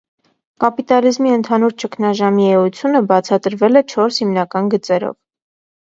Կապիտալիզմի ընդհանուր ճգնաժամի էությունը բացատրվել է չորս հիմնական գծերով։